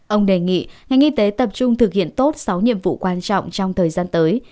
ông đề nghị ngành y tế tập trung thực hiện tốt sáu nhiệm vụ quan trọng trong thời gian tới